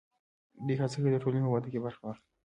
دوی هڅه کوي د ټولنې په وده کې برخه واخلي.